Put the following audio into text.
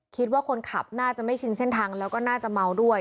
คิดว่าคนขับน่าจะไม่ชินเส้นทางแล้วก็น่าจะเมาด้วย